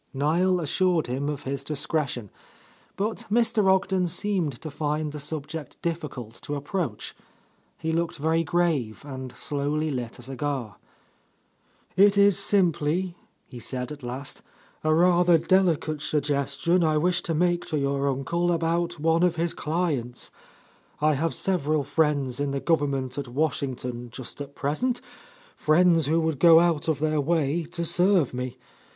Niel assured him of his discretion, but Mr. Ogden seemed to find the subject difficult to ap proach.. He looked very grave and slowly lit a cigar. "It is simply," he said at last, "a rather deli cate suggestion I wish to make to your uncle about one of his clients. I have several friends — 148 — A Lost Lady in the Government at Washington just at present, friends who would go out of their way to serve me.